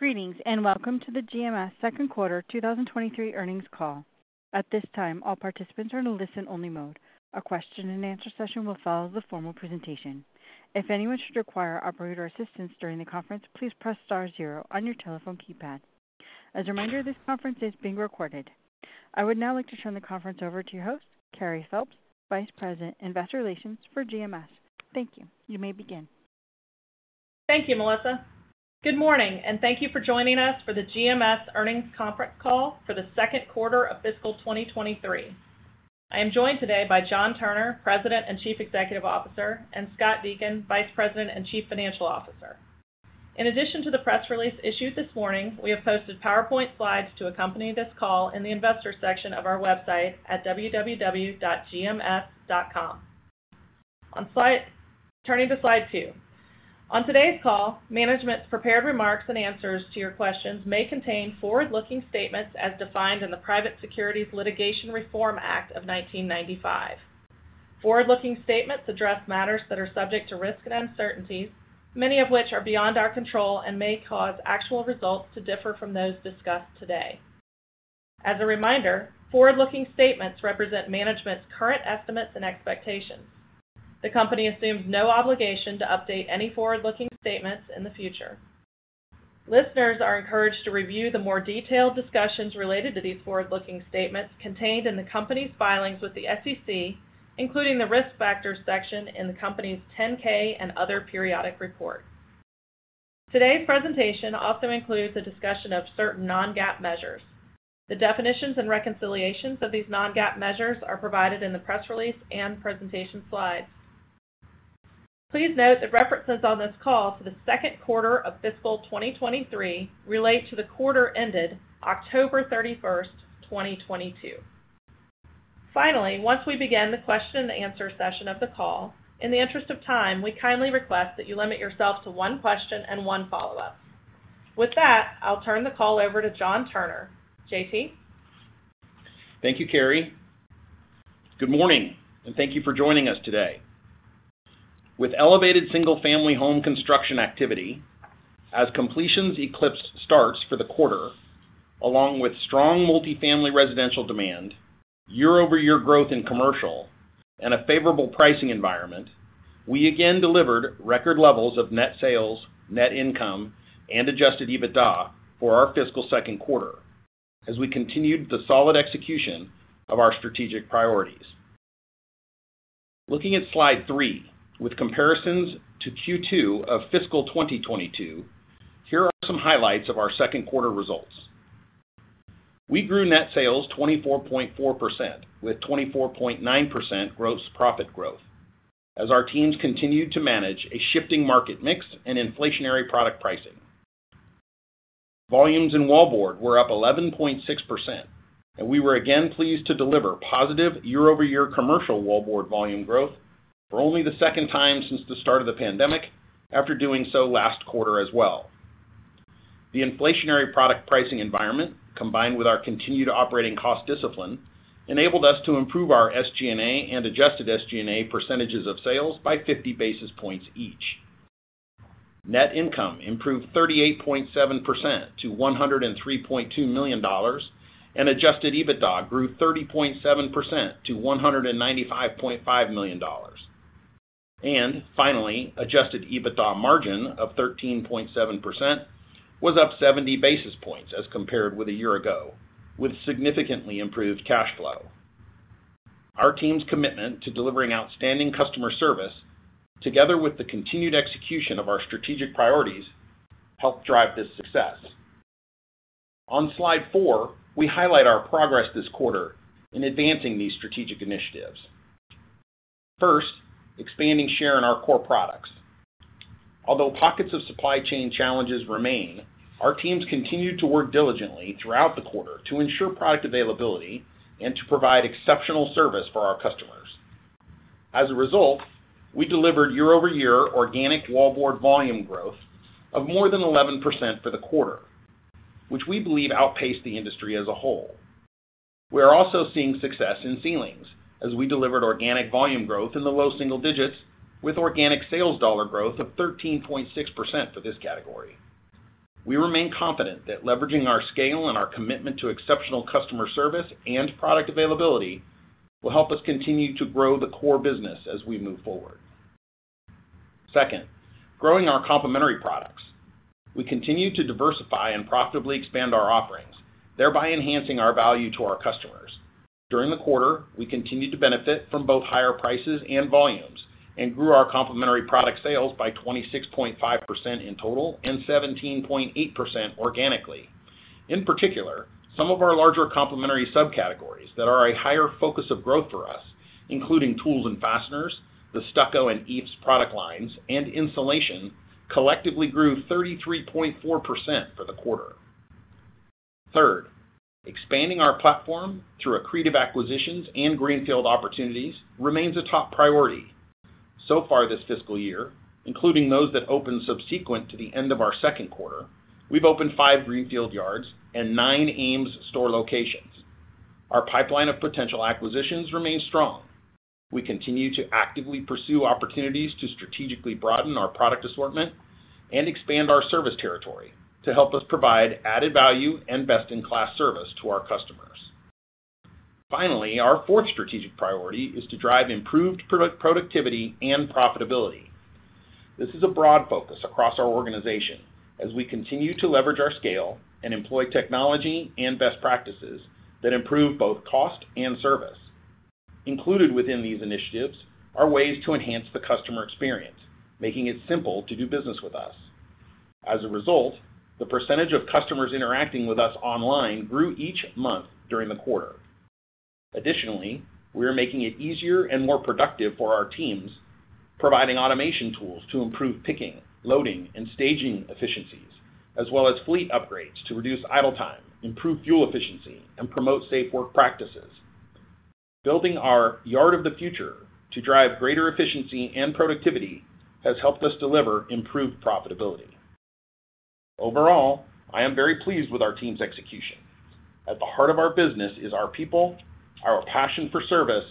Greetings, welcome to the GMS second quarter 2023 earnings call. At this time, all participants are in a listen-only mode. A question-and-answer session will follow the formal presentation. If anyone should require operator assistance during the conference, please press star zero on your telephone keypad. As a reminder, this conference is being recorded. I would now like to turn the conference over to your host, Carey Phelps, Vice President, Investor Relations for GMS. Thank you. You may begin. Thank you, Melissa. Good morning. Thank you for joining us for the GMS earnings conference call for the second quarter of fiscal 2023. I am joined today by John Turner, President and Chief Executive Officer, and Scott Deakin, Vice President and Chief Financial Officer. In addition to the press release issued this morning, we have posted PowerPoint slides to accompany this call in the investor section of our website at www.gms.com. Turning to slide two. On today's call, management's prepared remarks and answers to your questions may contain forward-looking statements as defined in the Private Securities Litigation Reform Act of 1995. Forward-looking statements address matters that are subject to risks and uncertainties, many of which are beyond our control and may cause actual results to differ from those discussed today. As a reminder, forward-looking statements represent management's current estimates and expectations. The company assumes no obligation to update any forward-looking statements in the future. Listeners are encouraged to review the more detailed discussions related to these forward-looking statements contained in the company's filings with the SEC, including the Risk Factors section in the company's 10-K and other periodic reports. Today's presentation also includes a discussion of certain non-GAAP measures. The definitions and reconciliations of these non-GAAP measures are provided in the press release and presentation slides. Please note that references on this call to the second quarter of fiscal 2023 relate to the quarter ended October 31st, 2022. Finally, once we begin the question and answer session of the call, in the interest of time, we kindly request that you limit yourself to one question and one follow-up. With that, I'll turn the call over to John Turner. JT. Thank you, Carey. Good morning. Thank you for joining us today. With elevated single-family home construction activity, as completions eclipsed starts for the quarter, along with strong multi-family residential demand, year-over-year growth in commercial, and a favorable pricing environment, we again delivered record levels of net sales, net income, and Adjusted EBITDA for our fiscal second quarter as we continued the solid execution of our strategic priorities. Looking at slide three, with comparisons to Q2 of fiscal 2022, here are some highlights of our second quarter results. We grew net sales 24.4% with 24.9% gross profit growth as our teams continued to manage a shifting market mix and inflationary product pricing. Volumes in wallboard were up 11.6%, and we were again pleased to deliver positive year-over-year commercial wallboard volume growth for only the second time since the start of the pandemic after doing so last quarter as well. The inflationary product pricing environment, combined with our continued operating cost discipline, enabled us to improve our SG&A and adjusted SG&A percentages of sales by 50 basis points each. Net income improved 38.7% to $103.2 million, and adjusted EBITDA grew 30.7% to $195.5 million. Finally, adjusted EBITDA margin of 13.7% was up 70 basis points as compared with a year ago, with significantly improved cash flow. Our team's commitment to delivering outstanding customer service, together with the continued execution of our strategic priorities, helped drive this success. On slide four, we highlight our progress this quarter in advancing these strategic initiatives. First, expanding share in our core products. Although pockets of supply chain challenges remain, our teams continued to work diligently throughout the quarter to ensure product availability and to provide exceptional service for our customers. As a result, we delivered year-over-year organic wallboard volume growth of more than 11% for the quarter, which we believe outpaced the industry as a whole. We are also seeing success in ceilings as we delivered organic volume growth in the low single digits with organic sales dollar growth of 13.6% for this category. We remain confident that leveraging our scale and our commitment to exceptional customer service and product availability will help us continue to grow the core business as we move forward. Second, growing our complementary products. We continue to diversify and profitably expand our offerings, thereby enhancing our value to our customers. During the quarter, we continued to benefit from both higher prices and volumes, and grew our complementary product sales by 26.5% in total and 17.8% organically. In particular, some of our larger complementary subcategories that are a higher focus of growth for us, including tools and fasteners, the stucco and eaves product lines, and insulation, collectively grew 33.4% for the quarter. Third, expanding our platform through accretive acquisitions and greenfield opportunities remains a top priority. So far this fiscal year, including those that opened subsequent to the end of our second quarter, we've opened five greenfield yards and nine AMES store locations. Our pipeline of potential acquisitions remains strong. We continue to actively pursue opportunities to strategically broaden our product assortment and expand our service territory to help us provide added value and best-in-class service to our customers. Finally, our fourth strategic priority is to drive improved product-productivity and profitability. This is a broad focus across our organization as we continue to leverage our scale and employ technology and best practices that improve both cost and service. Included within these initiatives are ways to enhance the customer experience, making it simple to do business with us. As a result, the percentage of customers interacting with us online grew each month during the quarter. Additionally, we are making it easier and more productive for our teams, providing automation tools to improve picking, loading, and staging efficiencies, as well as fleet upgrades to reduce idle time, improve fuel efficiency, and promote safe work practices. Building our Yard of the Future to drive greater efficiency and productivity has helped us deliver improved profitability. Overall, I am very pleased with our team's execution. At the heart of our business is our people, our passion for service,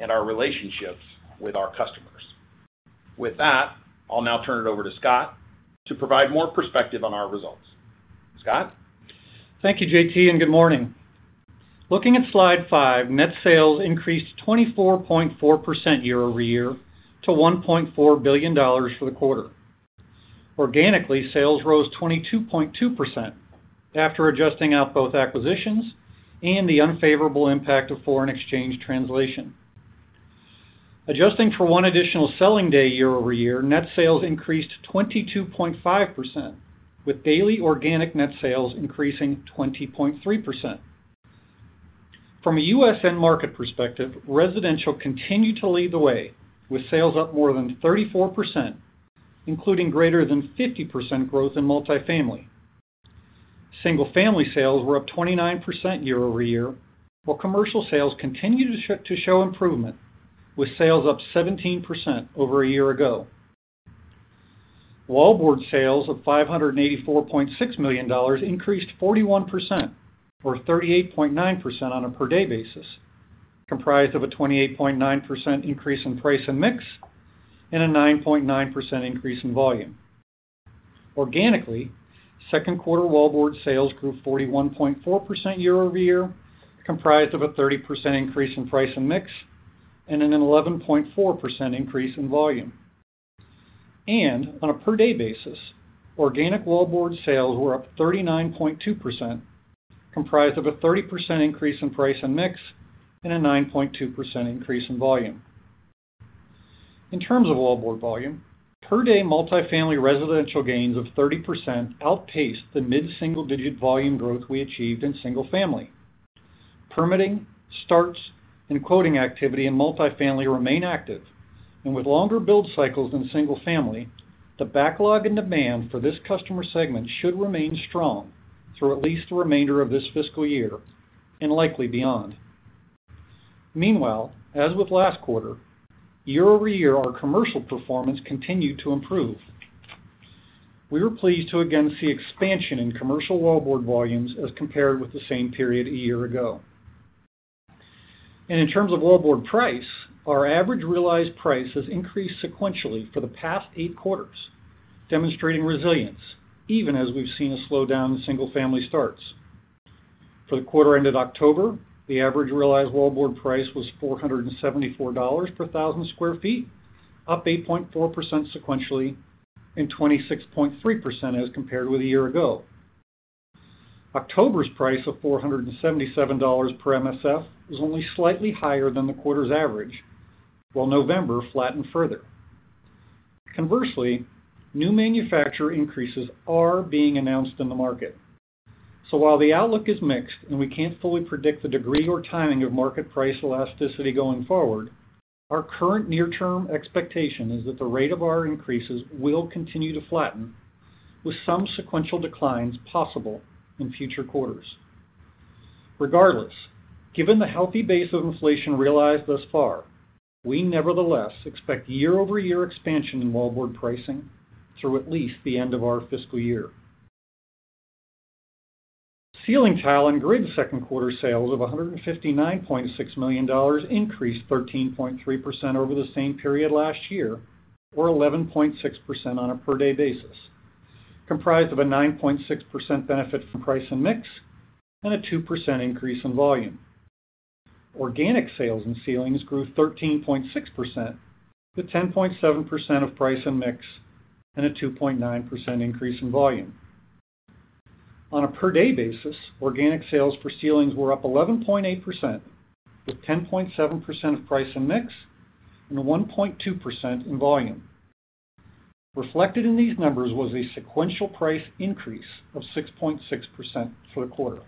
and our relationships with our customers. With that, I'll now turn it over to Scott to provide more perspective on our results. Scott? Thank you, JT. Good morning. Looking at slide five, net sales increased 24.4% year-over-year to $1.4 billion for the quarter. Organically, sales rose 22.2% after adjusting out both acquisitions and the unfavorable impact of foreign exchange translation. Adjusting for 1 additional selling day year-over-year, net sales increased 22.5%, with daily organic net sales increasing 20.3%. From a U.S. end market perspective, residential continued to lead the way, with sales up more than 34%, including greater than 50% growth in multifamily. Single family sales were up 29% year-over-year, while commercial sales continued to show improvement, with sales up 17% over a year ago. Wallboard sales of $584.6 million increased 41% or 38.9% on a per-day basis, comprised of a 28.9% increase in price and mix and a 9.9% increase in volume. Organically, second quarter wallboard sales grew 41.4% year-over-year, comprised of a 30% increase in price and mix and an 11.4% increase in volume. On a per-day basis, organic wallboard sales were up 39.2%, comprised of a 30% increase in price and mix and a 9.2% increase in volume. In terms of wallboard volume, per-day multifamily residential gains of 30% outpaced the mid-single-digit volume growth we achieved in single family. Permitting, starts, and quoting activity in multifamily remain active, and with longer build cycles than single family, the backlog and demand for this customer segment should remain strong through at least the remainder of this fiscal year and likely beyond. Meanwhile, as with last quarter, year-over-year, our commercial performance continued to improve. We were pleased to again see expansion in commercial wallboard volumes as compared with the same period a year ago. In terms of wallboard price, our average realized price has increased sequentially for the past eight quarters, demonstrating resilience even as we've seen a slowdown in single-family starts. For the quarter ended October, the average realized wallboard price was $474 per 1,000 sq ft, up 8.4% sequentially and 26.3% as compared with a year ago. October's price of $477 per MSF was only slightly higher than the quarter's average, while November flattened further. Conversely, new manufacturer increases are being announced in the market. While the outlook is mixed and we can't fully predict the degree or timing of market price elasticity going forward, our current near-term expectation is that the rate of our increases will continue to flatten with some sequential declines possible in future quarters. Regardless, given the healthy base of inflation realized thus far, we nevertheless expect year-over-year expansion in wallboard pricing through at least the end of our fiscal year. Ceiling tile and grid second quarter sales of $159.6 million increased 13.3% over the same period last year or 11.6% on a per-day basis, comprised of a 9.6% benefit from price and mix and a 2% increase in volume. Organic sales in ceilings grew 13.6% to 10.7% of price and mix and a 2.9% increase in volume. On a per-day basis, organic sales for ceilings were up 11.8%, with 10.7% of price and mix and a 1.2% in volume. Reflected in these numbers was a sequential price increase of 6.6% for the quarter.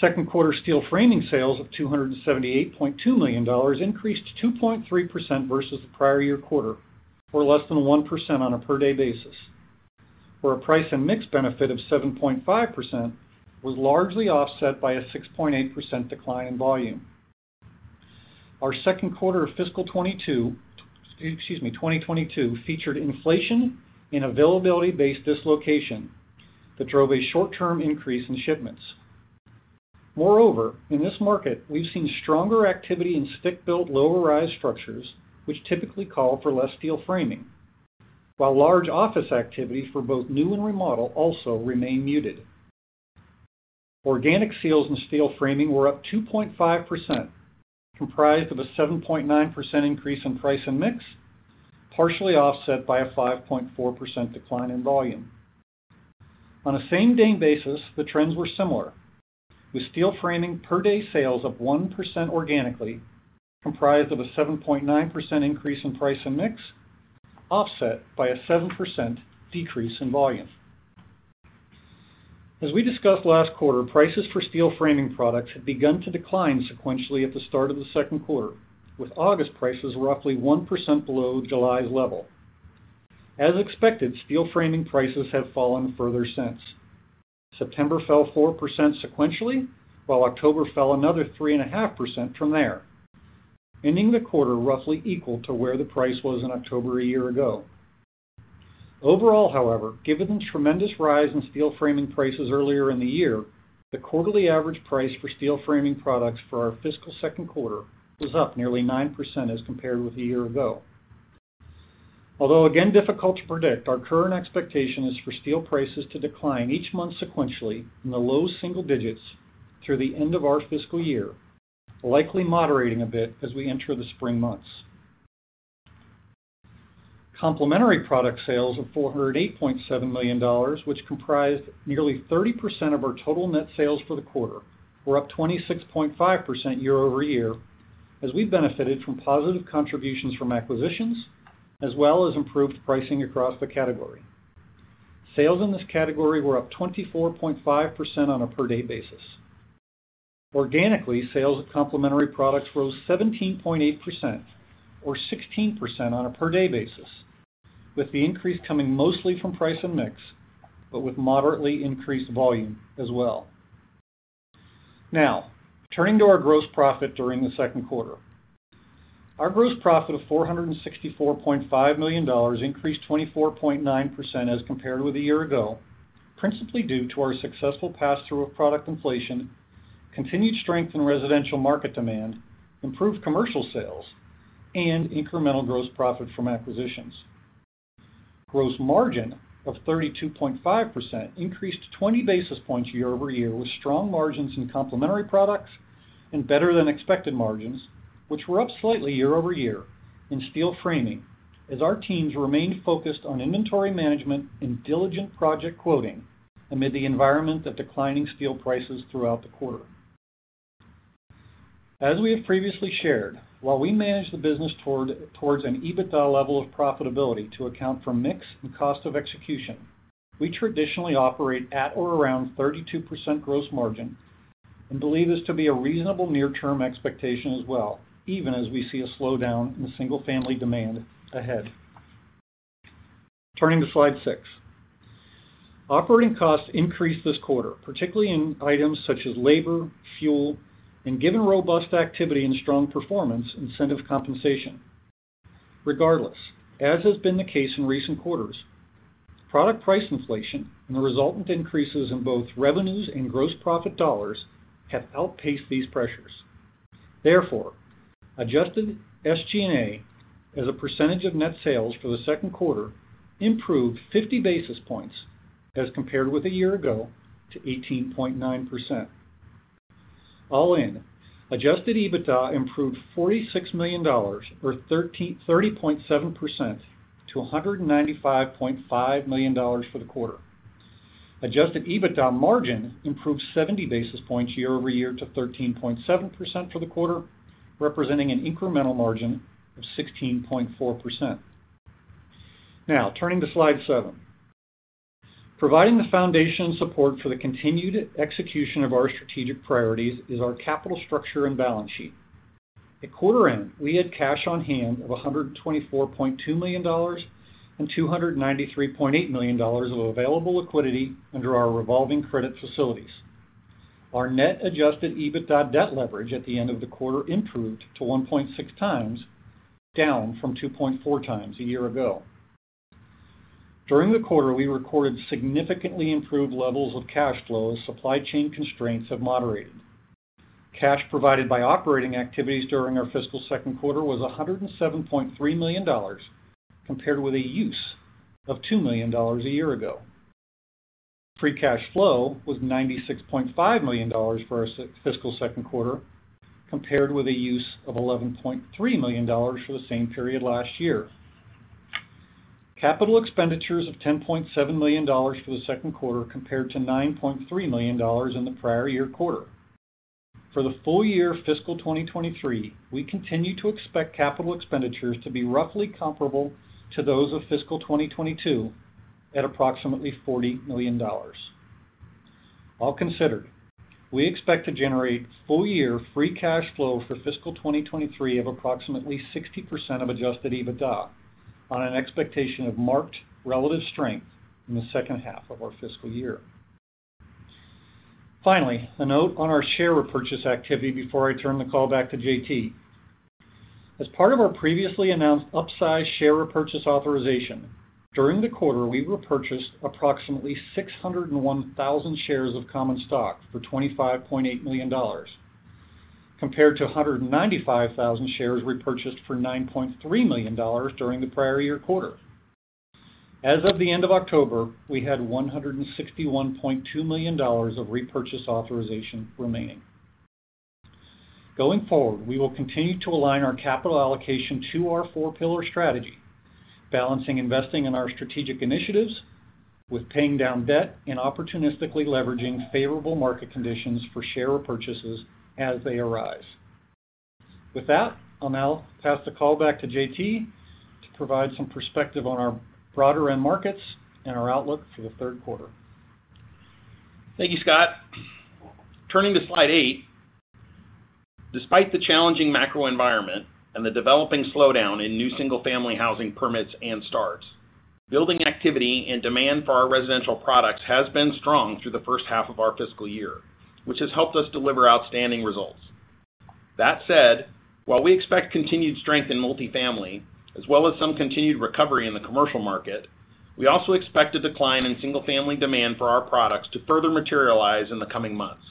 Second quarter steel framing sales of $278.2 million increased 2.3% versus the prior year quarter, or less than 1% on a per-day basis, where a price and mix benefit of 7.5% was largely offset by a 6.8% decline in volume. Our second quarter of fiscal 2022, excuse me, 2022 featured inflation and availability-based dislocation that drove a short-term increase in shipments. Moreover, in this market, we've seen stronger activity in stick-built low-rise structures, which typically call for less steel framing, while large office activity for both new and remodel also remain muted. Organic sales in steel framing were up 2.5%, comprised of a 7.9% increase in price and mix, partially offset by a 5.4% decline in volume. On a same-day basis, the trends were similar, with steel framing per-day sales of 1% organically, comprised of a 7.9% increase in price and mix, offset by a 7% decrease in volume. As we discussed last quarter, prices for steel framing products had begun to decline sequentially at the start of the second quarter, with August prices roughly 1% below July's level. As expected, steel framing prices have fallen further since. September fell 4% sequentially, while October fell another 3.5% from there, ending the quarter roughly equal to where the price was in October a year ago. Overall, however, given the tremendous rise in steel framing prices earlier in the year, the quarterly average price for steel framing products for our fiscal second quarter was up nearly 9% as compared with a year ago. Again, difficult to predict, our current expectation is for steel prices to decline each month sequentially in the low single digits through the end of our fiscal year, likely moderating a bit as we enter the spring months. Complementary product sales of $408.7 million, which comprised nearly 30% of our total net sales for the quarter, were up 26.5% year-over-year as we benefited from positive contributions from acquisitions as well as improved pricing across the category. Sales in this category were up 24.5% on a per-day basis. Organically, sales of complementary products rose 17.8% or 16% on a per-day basis, with the increase coming mostly from price and mix, but with moderately increased volume as well. Turning to our gross profit during the second quarter. Our gross profit of $464.5 million increased 24.9% as compared with a year ago, principally due to our successful passthrough of product inflation, continued strength in residential market demand, improved commercial sales, and incremental gross profit from acquisitions. Gross margin of 32.5% increased 20 basis points year-over-year with strong margins in complementary products and better than expected margins, which were up slightly year-over-year in steel framing as our teams remained focused on inventory management and diligent project quoting amid the environment of declining steel prices throughout the quarter. As we have previously shared, while we manage the business towards an EBITDA level of profitability to account for mix and cost of execution, we traditionally operate at or around 32% gross margin and believe this to be a reasonable near-term expectation as well, even as we see a slowdown in the single family demand ahead. Turning to slide six. Operating costs increased this quarter, particularly in items such as labor, fuel, given robust activity and strong performance, incentive compensation. Regardless, as has been the case in recent quarters, product price inflation and the resultant increases in both revenues and gross profit dollars have outpaced these pressures. Adjusted SG&A as a percentage of net sales for the second quarter improved fifty basis points as compared with a year ago to 18.9%. All in, Adjusted EBITDA improved $46 million or 30.7% to $195.5 million for the quarter. Adjusted EBITDA margin improved 70 basis points year-over-year to 13.7% for the quarter, representing an incremental margin of 16.4%. Turning to slide seven. Providing the foundation and support for the continued execution of our strategic priorities is our capital structure and balance sheet. At quarter end, we had cash on hand of $124.2 million and $293.8 million of available liquidity under our revolving credit facilities. Our net Adjusted EBITDA debt leverage at the end of the quarter improved to 1.6x, down from 2.4x a year ago. During the quarter, we recorded significantly improved levels of cash flow as supply chain constraints have moderated. Cash provided by operating activities during our fiscal second quarter was $107.3 million, compared with a use of $2 million a year ago. Free cash flow was $96.5 million for our fiscal second quarter, compared with a use of $11.3 million for the same period last year. Capital expenditures of $10.7 million for the second quarter compared to $9.3 million in the prior year quarter. For the full year fiscal 2023, we continue to expect capital expenditures to be roughly comparable to those of fiscal 2022 at approximately $40 million. All considered, we expect to generate full year free cash flow for fiscal 2023 of approximately 60% of adjusted EBITDA on an expectation of marked relative strength in the second half of our fiscal year. A note on our share repurchase activity before I turn the call back to JT. As part of our previously announced upsized share repurchase authorization, during the quarter, we repurchased approximately 601,000 shares of common stock for $25.8 million, compared to 195,000 shares repurchased for $9.3 million during the prior year quarter. As of the end of October, we had $161.2 million of repurchase authorization remaining. Going forward, we will continue to align our capital allocation to our four-pillar strategy, balancing investing in our strategic initiatives with paying down debt and opportunistically leveraging favorable market conditions for share repurchases as they arise. With that, I'll now pass the call back to JT to provide some perspective on our broader end markets and our outlook for the third quarter. Thank you, Scott. Turning to slide eight, despite the challenging macro environment and the developing slowdown in new single-family housing permits and starts, building activity and demand for our residential products has been strong through the first half of our fiscal year, which has helped us deliver outstanding results. That said, while we expect continued strength in multifamily, as well as some continued recovery in the commercial market, we also expect a decline in single-family demand for our products to further materialize in the coming months.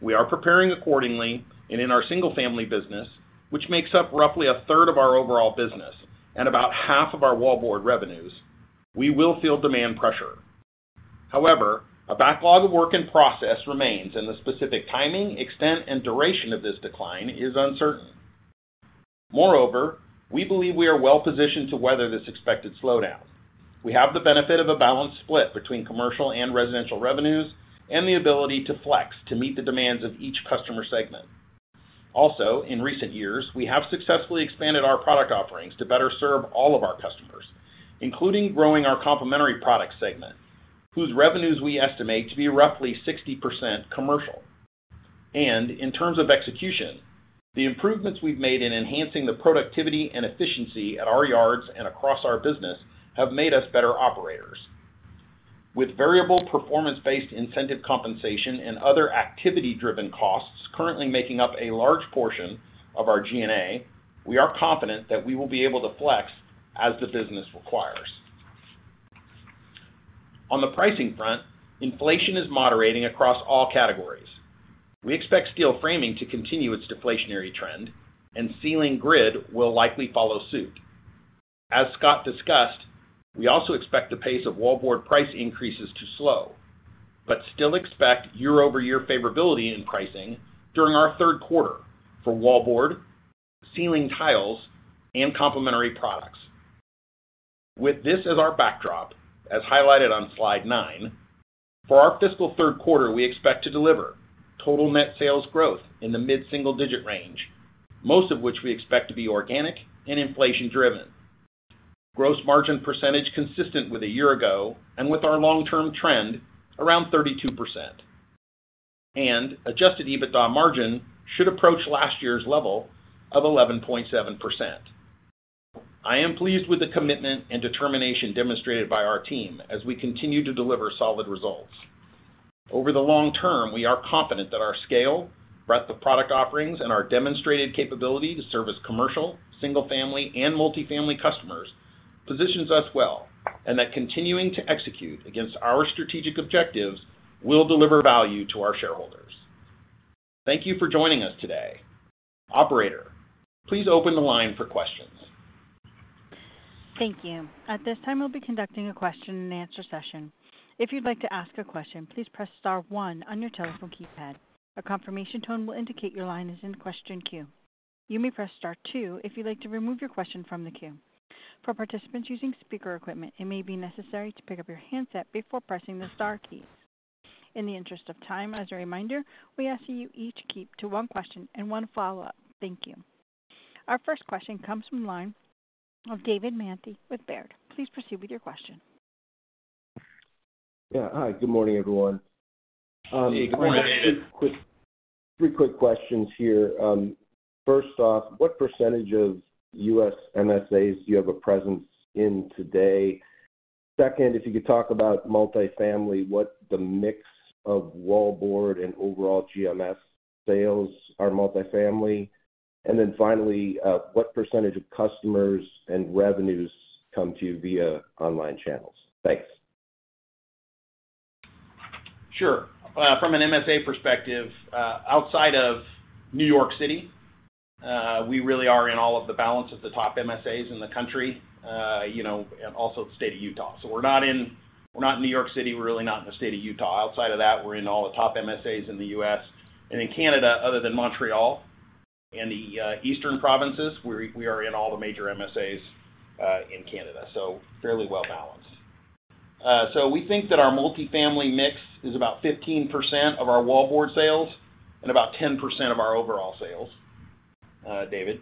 We are preparing accordingly, and in our single-family business, which makes up roughly 1/3 of our overall business and about 1/2 of our wallboard revenues, we will feel demand pressure. However, a backlog of work in process remains, and the specific timing, extent, and duration of this decline is uncertain. Moreover, we believe we are well positioned to weather this expected slowdown. We have the benefit of a balanced split between commercial and residential revenues and the ability to flex to meet the demands of each customer segment. In recent years, we have successfully expanded our product offerings to better serve all of our customers, including growing our complementary product segment, whose revenues we estimate to be roughly 60% commercial. In terms of execution, the improvements we've made in enhancing the productivity and efficiency at our yards and across our business have made us better operators. With variable performance-based incentive compensation and other activity-driven costs currently making up a large portion of our G&A, we are confident that we will be able to flex as the business requires. On the pricing front, inflation is moderating across all categories. We expect steel framing to continue its deflationary trend, and ceiling grid will likely follow suit. As Scott discussed, we also expect the pace of wallboard price increases to slow, but still expect year-over-year favorability in pricing during our third quarter for wallboard, ceiling tiles, and complementary products. With this as our backdrop, as highlighted on slide 9, for our fiscal third quarter, we expect to deliver total net sales growth in the mid-single digit range, most of which we expect to be organic and inflation-driven. Gross margin percentage consistent with a year ago and with our long-term trend around 32%. Adjusted EBITDA margin should approach last year's level of 11.7%. I am pleased with the commitment and determination demonstrated by our team as we continue to deliver solid results. Over the long term, we are confident that our scale, breadth of product offerings, and our demonstrated capability to service commercial, single-family, and multifamily customers positions us well and that continuing to execute against our strategic objectives will deliver value to our shareholders. Thank you for joining us today. Operator, please open the line for questions. Thank you. At this time, we'll be conducting a question-and-answer session. If you'd like to ask a question, please press star one on your telephone keypad. A confirmation tone will indicate your line is in question queue. You may press star if you'd like to remove your question from the queue. For participants using speaker equipment, it may be necessary to pick up your handset before pressing the star key. In the interest of time, as a reminder, we ask that you each keep to one question and one follow-up. Thank you. Our first question comes from line of David Manthey with Baird. Please proceed with your question. Yeah. Hi, good morning, everyone. Good morning, David. I have three quick questions here. First off, what % of U.S. MSAs do you have a presence in today? Second, if you could talk about multifamily, what the mix of wallboard and overall GMS sales are multifamily? Finally, what percentage of customers and revenues come to you via online channels? Thanks. Sure. From an MSA perspective, outside of New York City, we really are in all of the balance of the top MSAs in the country, you know, and also the state of Utah. We're not in, we're not in New York City, we're really not in the state of Utah. Outside of that, we're in all the top MSAs in the US. In Canada, other than Montreal and the eastern provinces, we are in all the major MSAs in Canada, so fairly well-balanced. We think that our multifamily mix is about 15% of our wallboard sales and about 10% of our overall sales, David.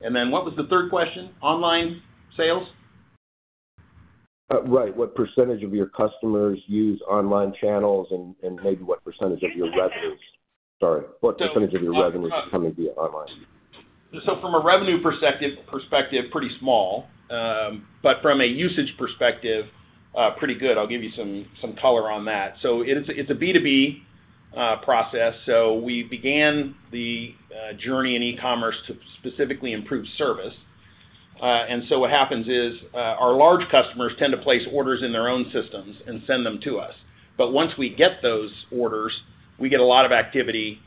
What was the third question? Online sales? Right. What percentage of your customers use online channels and maybe what % of your revenues? Sorry. What percentage of your revenues are coming via online? From a revenue perspective, pretty small. But from a usage perspective, pretty good. I'll give you some color on that. It's a B2B process. We began the journey in e-commerce to specifically improve service. What happens is, our large customers tend to place orders in their own systems and send them to us. Once we get those orders, we get a lot of activity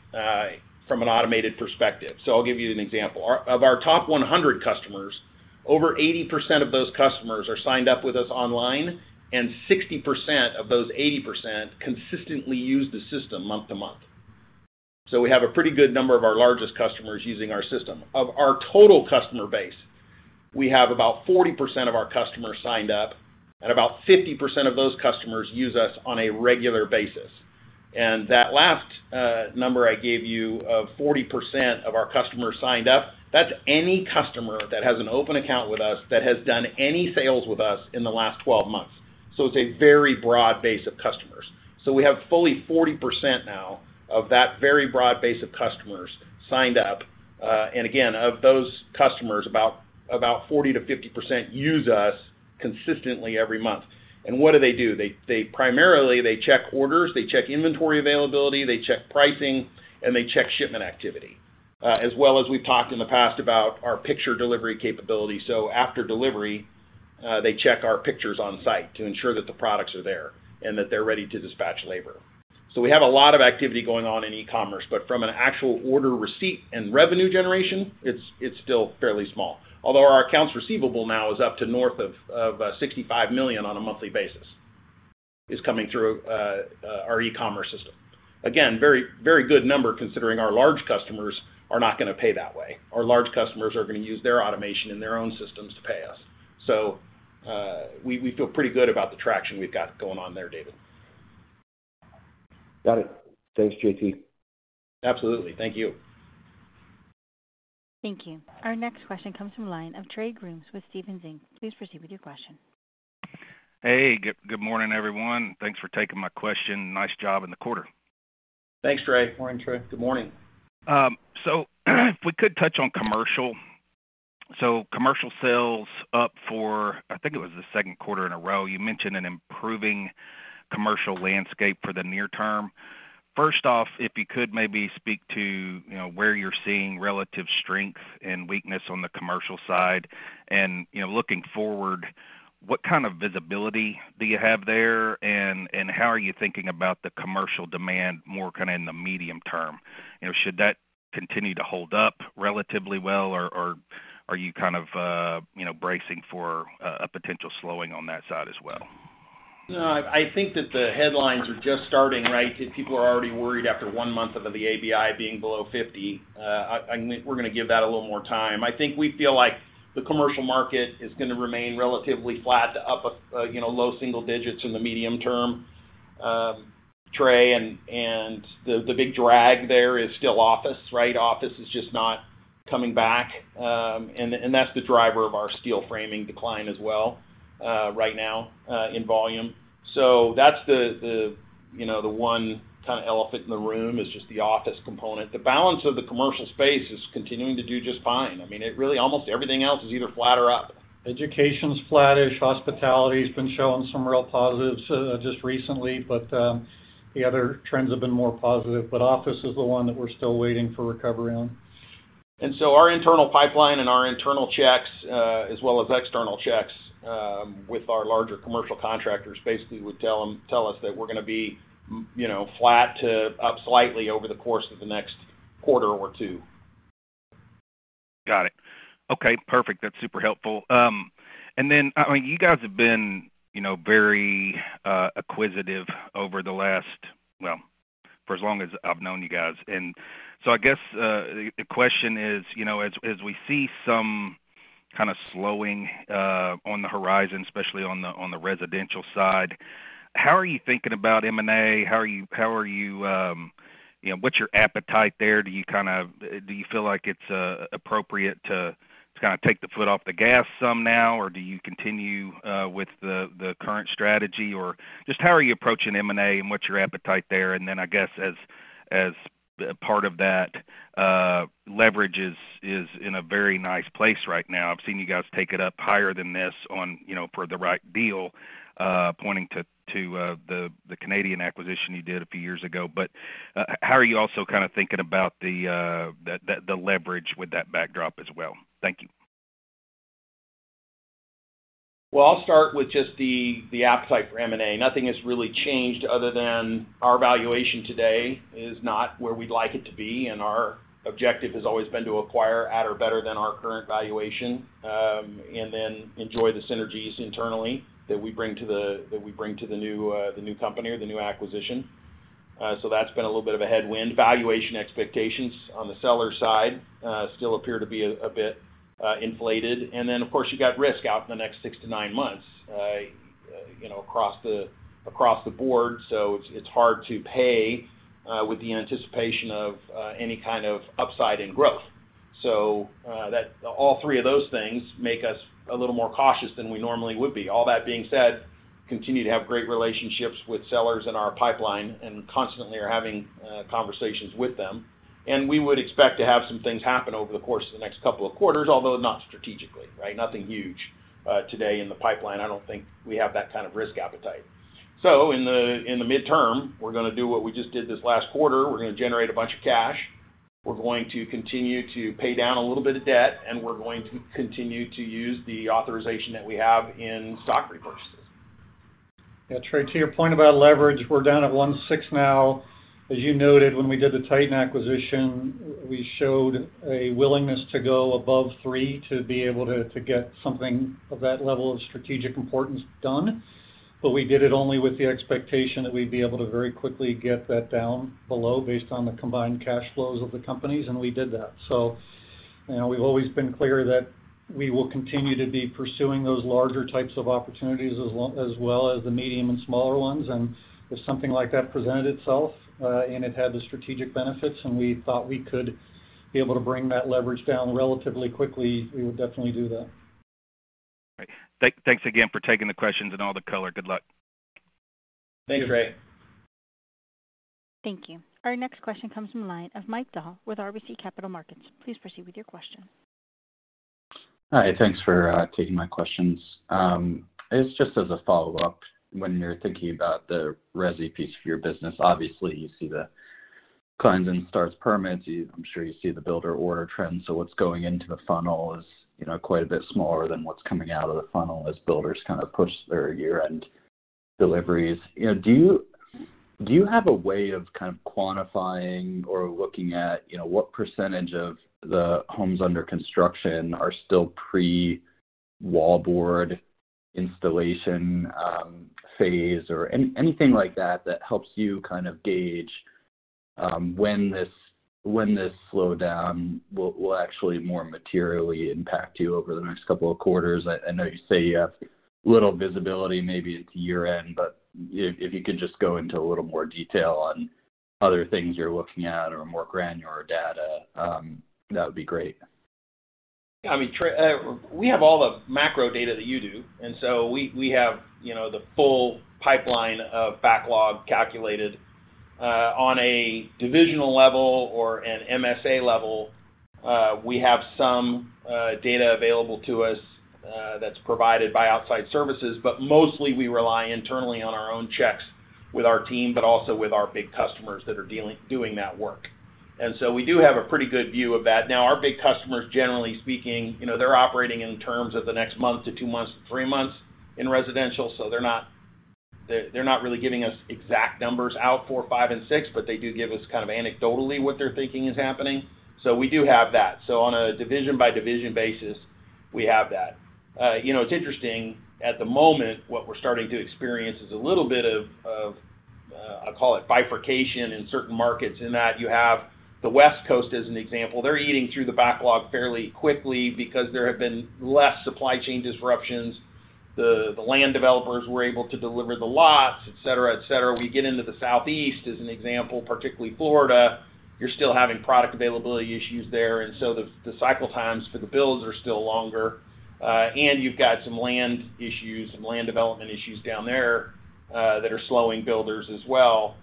from an automated perspective. I'll give you an example. Of our top 100 customers, over 80% of those customers are signed up with us online, and 60% of those 80% consistently use the system month to month. We have a pretty good number of our largest customers using our system. Of our total customer base, we have about 40% of our customers signed up, and about 50% of those customers use us on a regular basis. That last number I gave you of 40% of our customers signed up, that's any customer that has an open account with us that has done any sales with us in the last 12 months. It's a very broad base of customers. We have fully 40% now of that very broad base of customers signed up. Again, of those customers, about 40%-50% use us consistently every month. What do they do? They primarily check orders, they check inventory availability, they check pricing, and they check shipment activity, as well as we've talked in the past about our picture delivery capability. After delivery, they check our pictures on site to ensure that the products are there and that they're ready to dispatch labor. We have a lot of activity going on in e-commerce, but from an actual order receipt and revenue generation, it's still fairly small. Although our accounts receivable now is up to north of $65 million on a monthly basis, is coming through our e-commerce system. Again, very good number considering our large customers are not gonna pay that way. Our large customers are gonna use their automation and their own systems to pay us. We feel pretty good about the traction we've got going on there, David. Got it. Thanks, JT. Absolutely. Thank you. Thank you. Our next question comes from line of Trey Grooms with Stephens Inc. Please proceed with your question. Hey, good morning, everyone. Thanks for taking my question. Nice job in the quarter. Thanks, Trey. Morning, Trey. Good morning. If we could touch on commercial. Commercial sales up for, I think it was the second quarter in a row. You mentioned an improving commercial landscape for the near term. First off, if you could maybe speak to, you know, where you're seeing relative strength and weakness on the commercial side. Looking forward, what kind of visibility do you have there? How are you thinking about the commercial demand more kinda in the medium term? You know, should that continue to hold up relatively well, or, are you kind of, you know, bracing for a potential slowing on that side as well? No, I think that the headlines are just starting, right? People are already worried after one month of the ABI being below 50. We're gonna give that a little more time. I think we feel like the commercial market is gonna remain relatively flat to up, you know, low single digits in the medium term, Trey. The big drag there is still office, right? office is just not coming back. And that's the driver of our steel framing decline as well, right now, in volume. That's the, you know, the one kinda elephant in the room, is just the office component. The balance of the commercial space is continuing to do just fine. I mean, it really, almost everything else is either flat or up. Education's flattish. Hospitality's been showing some real positives, just recently, but the other trends have been more positive. Office is the one that we're still waiting for recovery on. Our internal pipeline and our internal checks, as well as external checks, with our larger commercial contractors basically would tell us that we're gonna be, you know, flat to up slightly over the course of the next quarter or two. Got it. Okay. Perfect. That's super helpful. I mean, you guys have been, you know, very acquisitive over the last, well, for as long as I've known you guys. I guess, the question is, you know, as we see some kind of slowing on the horizon, especially on the, on the residential side, how are you thinking about M&A? How are you know, what's your appetite there? Do you feel like it's appropriate to kind of take the foot off the gas some now, or do you continue with the current strategy? Just how are you approaching M&A, and what's your appetite there? I guess as part of that, leverage is in a very nice place right now. I've seen you guys take it up higher than this on, you know, for the right deal, pointing to the Canadian acquisition you did a few years ago. How are you also kind of thinking about the leverage with that backdrop as well? Thank you. Well, I'll start with just the appetite for M&A. Nothing has really changed other than our valuation today is not where we'd like it to be, and our objective has always been to acquire at or better than our current valuation, and then enjoy the synergies internally that we bring to the new company or the new acquisition. That's been a little bit of a headwind. Valuation expectations on the seller side still appear to be a bit inflated. Then, of course, you got risk out in the next six to nine months, you know, across the board, so it's hard to pay with the anticipation of any kind of upside in growth. All three of those things make us a little more cautious than we normally would be. All that being said, Continue to have great relationships with sellers in our pipeline, and constantly are having conversations with them. We would expect to have some things happen over the course of the next couple of quarters, although not strategically, right? Nothing huge today in the pipeline. I don't think we have that kind of risk appetite. In the, in the midterm, we're gonna do what we just did this last quarter. We're gonna generate a bunch of cash. We're going to continue to pay down a little bit of debt, and we're going to continue to use the authorization that we have in stock repurchases. Trey, to your point about leverage, we're down at 1.6 now. As you noted, when we did the Titan acquisition, we showed a willingness to go above 3 to be able to get something of that level of strategic importance done. We did it only with the expectation that we'd be able to very quickly get that down below based on the combined cash flows of the companies, and we did that. You know, we've always been clear that we will continue to be pursuing those larger types of opportunities as well as the medium and smaller ones. If something like that presented itself, and it had the strategic benefits, and we thought we could be able to bring that leverage down relatively quickly, we would definitely do that. Right. Thanks again for taking the questions and all the color. Good luck. Thank you. Thanks, Trey. Thank you. Our next question comes from the line of Mike Dahl with RBC Capital Markets. Please proceed with your question. Hi. Thanks for taking my questions. It's just as a follow-up. When you're thinking about the resi piece of your business, obviously, you see the clients and starts permits. I'm sure you see the builder order trends. What's going into the funnel is, you know, quite a bit smaller than what's coming out of the funnel as builders kind of push their year-end deliveries. You know, do you have a way of kind of quantifying or looking at, you know, what percentage of the homes under construction are still pre-wallboard installation, phase or anything like that helps you kind of gauge, when this slowdown will actually more materially impact you over the next couple of quarters? I know you say you have little visibility maybe into year-end. If you could just go into a little more detail on other things you're looking at or more granular data, that would be great. I mean, Trey, we have all the macro data that you do. We have, you know, the full pipeline of backlog calculated on a divisional level or an MSA level. We have some data available to us that's provided by outside services. Mostly, we rely internally on our own checks with our team, but also with our big customers that are doing that work. We do have a pretty good view of that. Now, our big customers, generally speaking, you know, they're operating in terms of the next month to two months to 3 months in residential. They're not, they're not really giving us exact numbers out 4, 5, and 6, but they do give us kind of anecdotally what they're thinking is happening. We do have that. On a division-by-division basis, we have that. You know, it's interesting, at the moment, what we're starting to experience is a little bit of I call it bifurcation in certain markets in that you have the West Coast, as an example. They're eating through the backlog fairly quickly because there have been less supply chain disruptions. The land developers were able to deliver the lots, et cetera, et cetera. We get into the Southeast, as an example, particularly Florida, you're still having product availability issues there. The cycle times for the builds are still longer. You've got some land issues, some land development issues down there that are slowing builders as well.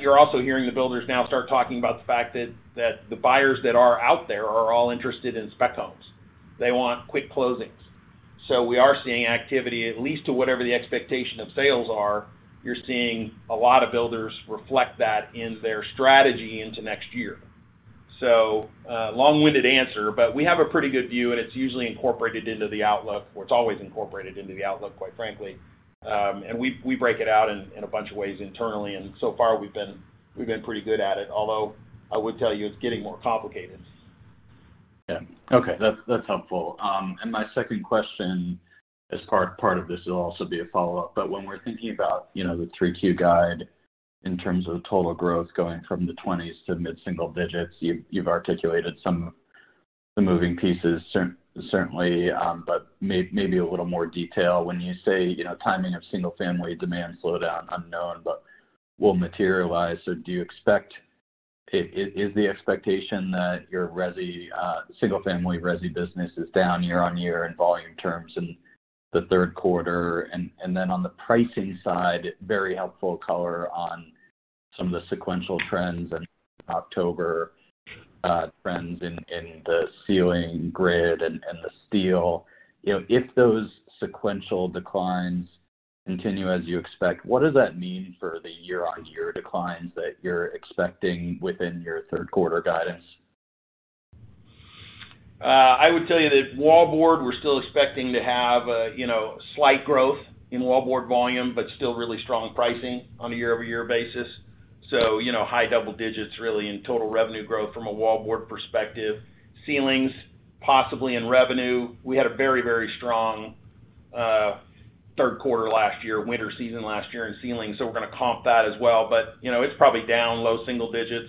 You're also hearing the builders now start talking about the fact that the buyers that are out there are all interested in spec homes. They want quick closings. We are seeing activity, at least to whatever the expectation of sales are. You're seeing a lot of builders reflect that in their strategy into next year. Long-winded answer, but we have a pretty good view, and it's usually incorporated into the outlook, or it's always incorporated into the outlook, quite frankly. We, we break it out in a bunch of ways internally, and so far we've been, we've been pretty good at it, although I would tell you it's getting more complicated. Yeah. Okay. That's helpful. My second question as part of this will also be a follow-up. When we're thinking about, you know, the 3Q guide in terms of total growth going from the 20s to mid-single digits, you've articulated some of the moving pieces certainly, but maybe a little more detail. When you say, you know, timing of single family demand slowdown unknown, but will materialize. Do you expect, is the expectation that your resi single family resi business is down year-on-year in volume terms in the 3rd quarter? Then on the pricing side, very helpful color on some of the sequential trends in October, trends in the ceiling grid and the steel. You know, if those sequential declines continue as you expect, what does that mean for the year-on-year declines that you're expecting within your third quarter guidance? I would tell you that wallboard, we're still expecting to have, you know, slight growth in wallboard volume, but still really strong pricing on a year-over-year basis. You know, high double digits really in total revenue growth from a wallboard perspective. Ceilings, possibly in revenue. We had a very, very strong third quarter last year, winter season last year in ceiling, so we're gonna comp that as well. You know, it's probably down low single digits.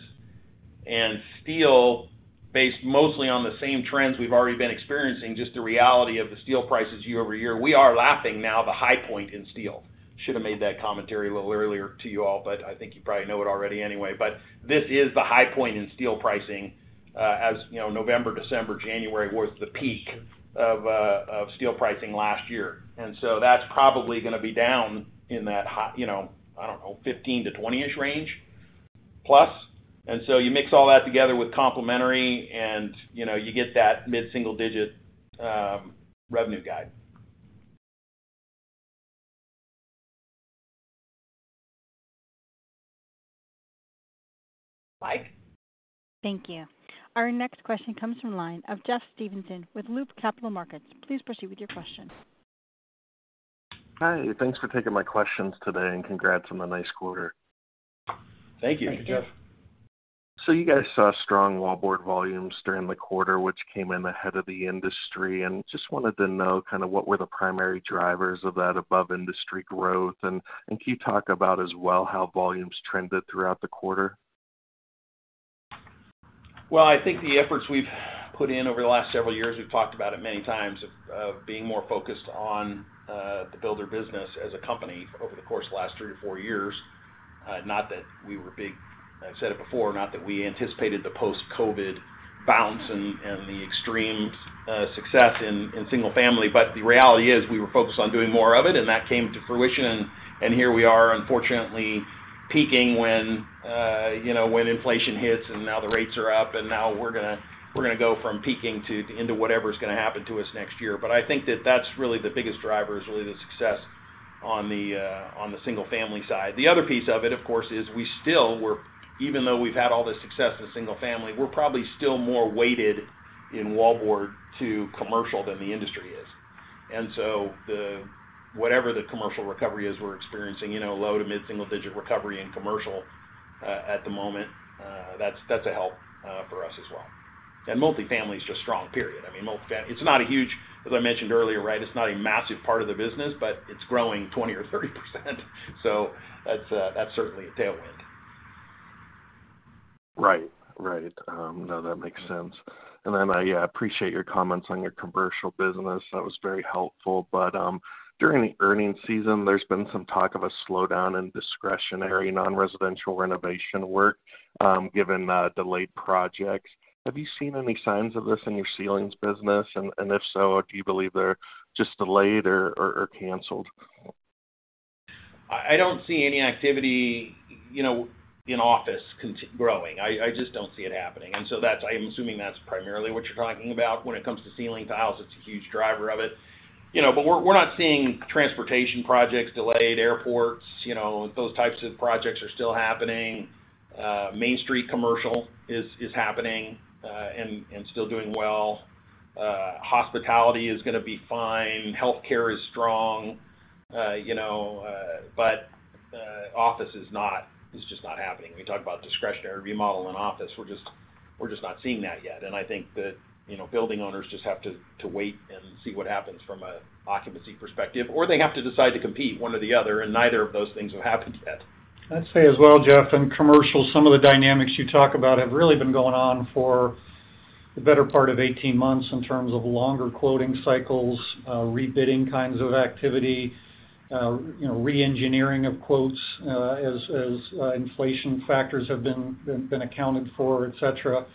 Steel, based mostly on the same trends we've already been experiencing, just the reality of the steel prices year-over-year, we are lapping now the high point in steel. Should have made that commentary a little earlier to you all, but I think you probably know it already anyway. This is the high point in steel pricing, as you know, November, December, January was the peak of steel pricing last year. That's probably gonna be down in that high, you know, I don't know, 15-20ish% range plus. You mix all that together with complementary and, you know, you get that mid-single-digit revenue guide. Mike? Thank you. Our next question comes from line of Jeffrey Stevenson with Loop Capital Markets. Please proceed with your question. Hi. Thanks for taking my questions today, and congrats on the nice quarter. Thank you, Jeff. Thank you. You guys saw strong wallboard volumes during the quarter, which came in ahead of the industry, and just wanted to know kind of what were the primary drivers of that above-industry growth? Can you talk about as well how volumes trended throughout the quarter? Well, I think the efforts we've put in over the last several years, we've talked about it many times, of being more focused on the builder business as a company over the course of the last three to four years, not that we were big. I've said it before, not that we anticipated the post-COVID bounce and the extreme success in single family. The reality is we were focused on doing more of it, and that came to fruition. And here we are unfortunately peaking when, you know, when inflation hits and now the rates are up, and now we're gonna go from peaking into whatever's gonna happen to us next year. I think that that's really the biggest driver is really the success on the single family side. The other piece of it, of course, is we still even though we've had all this success in single family, we're probably still more weighted in wallboard to commercial than the industry is. Whatever the commercial recovery is we're experiencing, you know, low to mid-single digit recovery in commercial at the moment, that's a help for us as well. Multifamily is just strong, period. I mean, it's not a huge, as I mentioned earlier, right, it's not a massive part of the business, but it's growing 20% or 30%. That's, that's certainly a tailwind. Right. Right. No, that makes sense. Then I appreciate your comments on your commercial business. That was very helpful. During the earnings season, there's been some talk of a slowdown in discretionary non-residential renovation work, given delayed projects. Have you seen any signs of this in your ceilings business? If so, do you believe they're just delayed or canceled? I don't see any activity, you know, in office growing. I just don't see it happening. I'm assuming that's primarily what you're talking about. When it comes to ceiling tiles, it's a huge driver of it. You know, we're not seeing transportation projects delayed, airports, you know. Those types of projects are still happening. Main street commercial is happening and still doing well. Hospitality is gonna be fine. Healthcare is strong. You know, office is not. It's just not happening. We talk about discretionary remodel and office, we're just not seeing that yet. I think that, you know, building owners just have to wait and see what happens from a occupancy perspective, or they have to decide to compete one or the other. Neither of those things have happened yet. I'd say as well, Jeff, in commercial, some of the dynamics you talk about have really been going on for the better part of 18 months in terms of longer quoting cycles, rebidding kinds of activity, you know, re-engineering of quotes, as inflation factors have been accounted for, et cetera.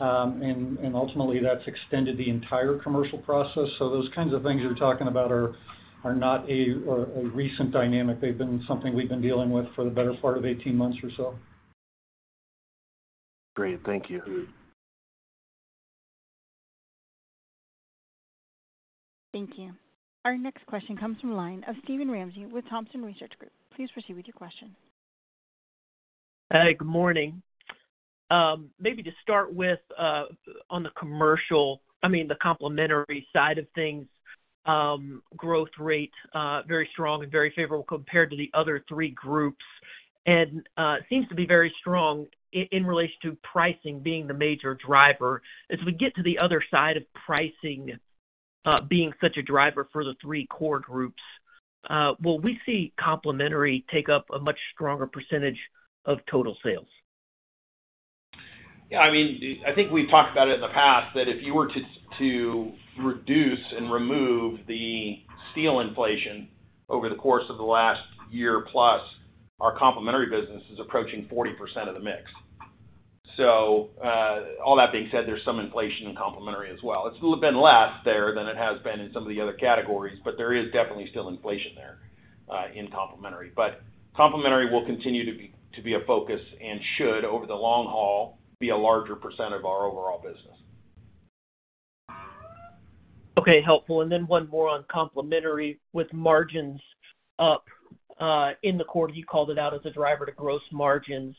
Ultimately, that's extended the entire commercial process. Those kinds of things you're talking about are not a recent dynamic. They've been something we've been dealing with for the better part of 18 months or so. Great. Thank you. Thank you. Our next question comes from line of Steven Ramsey with Thompson Research Group. Please proceed with your question. Hey, good morning. Maybe to start with on the commercial, I mean, the complementary side of things, growth rate, very strong and very favorable compared to the other three groups. Seems to be very strong in relation to pricing being the major driver. As we get to the other side of pricing, being such a driver for the three core groups, will we see complementary take up a much stronger percentage of total sales? Yeah, I mean, I think we've talked about it in the past, that if you were to reduce and remove the steel inflation over the course of the last year plus, our complementary business is approaching 40% of the mix. All that being said, there's some inflation in complementary as well. It's been less there than it has been in some of the other categories, but there is definitely still inflation there in complementary. Complementary will continue to be a focus and should, over the long haul, be a larger percent of our overall business. Okay, helpful. One more on complementary. With margins up in the quarter, you called it out as a driver to gross margins.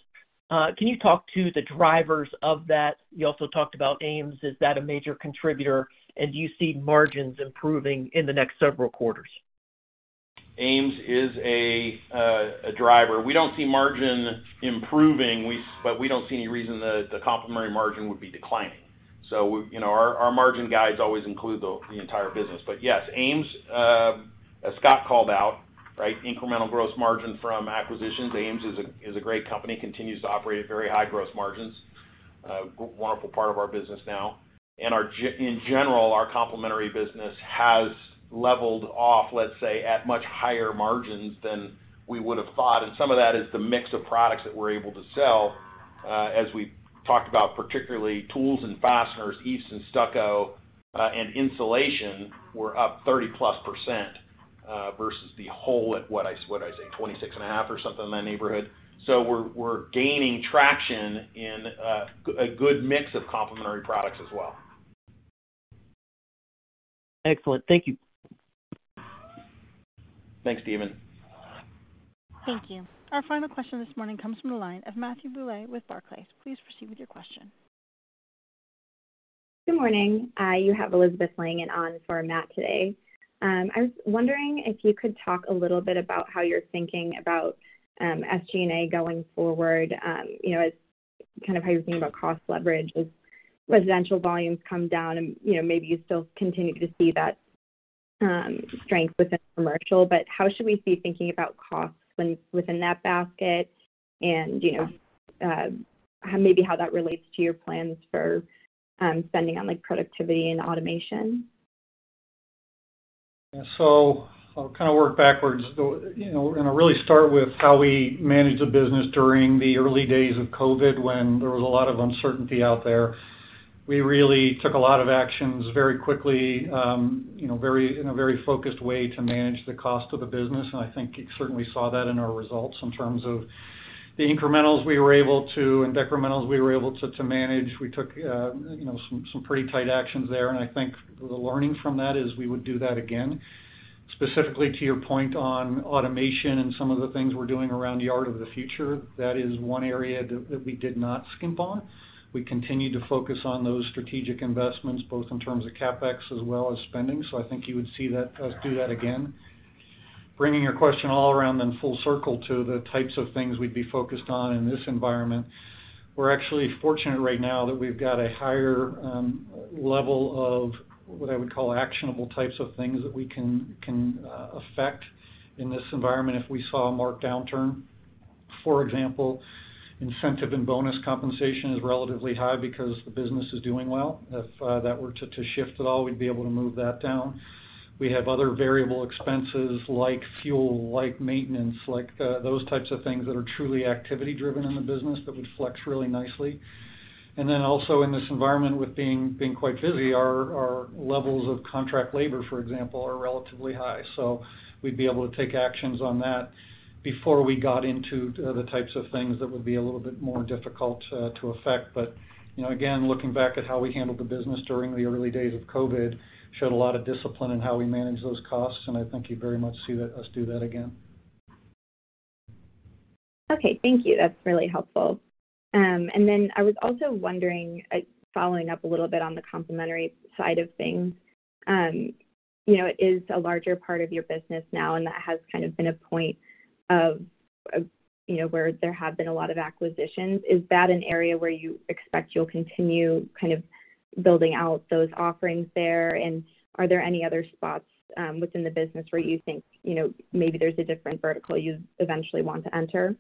Can you talk to the drivers of that? You also talked about AMES. Is that a major contributor? Do you see margins improving in the next several quarters? AMES is a driver. We don't see margin improving. We don't see any reason that the complementary margin would be declining. You know, our margin guides always include the entire business. Yes, AMES, as Scott called out, right, incremental gross margin from acquisitions, AMES is a great company, continues to operate at very high gross margins. Wonderful part of our business now. In general, our complementary business has leveled off, let's say, at much higher margins than we would have thought, and some of that is the mix of products that we're able to sell. As we talked about, particularly tools and fasteners, eaves and stucco, and insulation were up 30%+ versus the whole at what did I say? 26.5% or something in that neighborhood. We're gaining traction in a good mix of complementary products as well. Excellent. Thank you. Thanks, Steven. Thank you. Our final question this morning comes from the line of Matthew Bouley with Barclays. Please proceed with your question. Good morning. You have Elizabeth Langan on for Matt today. I was wondering if you could talk a little bit about how you're thinking about SG&A going forward, you know, as kind of how you're thinking about cost leverage as residential volumes come down and, you know, maybe you still continue to see that strength within commercial, but how should we be thinking about costs when within that basket and, you know, maybe how that relates to your plans for spending on, like, productivity and automation? I'll kind of work backwards, you know, we're gonna really start with how we managed the business during the early days of COVID when there was a lot of uncertainty out there. We really took a lot of actions very quickly, you know, very, in a very focused way to manage the cost of the business. I think you certainly saw that in our results in terms of the incrementals we were able to and decrementals we were able to manage. We took, you know, some pretty tight actions there, and I think the learning from that is we would do that again. Specifically to your point on automation and some of the things we're doing around the Yard of the Future, that is one area that we did not skimp on. We continued to focus on those strategic investments, both in terms of CapEx as well as spending. I think you would see us do that again. Bringing your question all around in full circle to the types of things we'd be focused on in this environment, we're actually fortunate right now that we've got a higher level of what I would call actionable types of things that we can affect in this environment if we saw a marked downturn. For example, incentive and bonus compensation is relatively high because the business is doing well. If that were to shift at all, we'd be able to move that down. We have other variable expenses like fuel, like maintenance, like those types of things that are truly activity-driven in the business that would flex really nicely. Also in this environment with being quite busy, our levels of contract labor, for example, are relatively high. We'd be able to take actions on that before we got into the types of things that would be a little bit more difficult to affect. You know, again, looking back at how we handled the business during the early days of COVID, showed a lot of discipline in how we manage those costs, and I think you very much see us do that again. Okay. Thank you. That's really helpful. I was also wondering, following up a little bit on the complementary side of things, you know, it is a larger part of your business now, and that has kind of been a point of, you know, where there have been a lot of acquisitions. Is that an area where you expect you'll continue kind of building out those offerings there? Are there any other spots within the business where you think, you know, maybe there's a different vertical you eventually want to enter?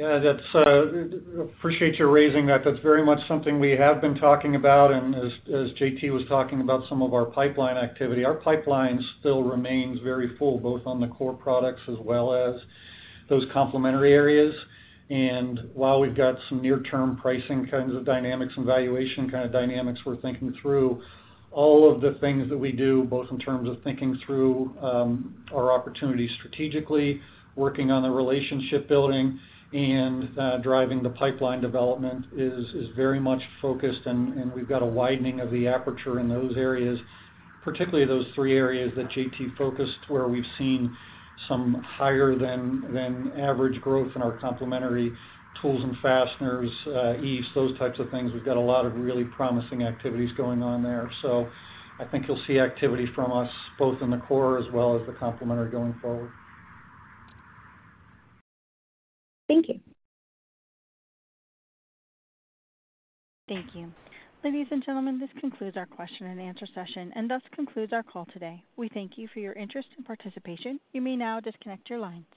Appreciate you raising that. That's very much something we have been talking about. As JT was talking about some of our pipeline activity, our pipeline still remains very full, both on the core products as well as those complementary areas. While we've got some near-term pricing kinds of dynamics and valuation kind of dynamics we're thinking through, all of the things that we do, both in terms of thinking through our opportunities strategically, working on the relationship building and driving the pipeline development is very much focused, and we've got a widening of the aperture in those areas. Particularly those three areas that JT focused, where we've seen some higher than average growth in our complementary tools and fasteners, eaves, those types of things. We've got a lot of really promising activities going on there. I think you'll see activity from us both in the core as well as the complementary going forward. Thank you. Thank you. Ladies and gentlemen, this concludes our question and answer session and thus concludes our call today. We thank you for your interest and participation. You may now disconnect your lines.